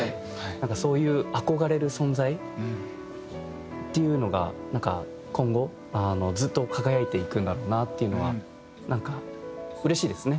なんかそういう憧れる存在っていうのが今後ずっと輝いていくんだろうなっていうのはなんかうれしいですね。